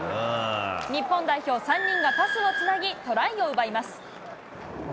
日本代表３人がパスをつなぎ、トライを奪います。